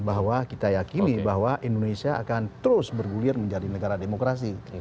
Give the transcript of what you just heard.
bahwa kita yakini bahwa indonesia akan terus bergulir menjadi negara demokrasi